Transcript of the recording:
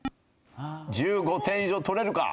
１５点以上取れるか？